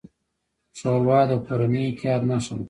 ښوروا د کورني اتحاد نښه ده.